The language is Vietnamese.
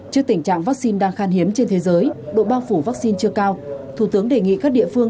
trước tình trạng vaccine đang khan hiếm trên thế giới độ bao phủ vaccine chưa cao thủ tướng đề nghị các địa phương